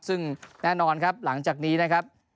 ซึ่งแน่นอนครับหลังจากนี้นะครับ